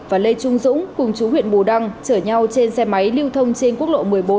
và lê trung dũng cùng chú huyện bù đăng chở nhau trên xe máy lưu thông trên quốc lộ một mươi bốn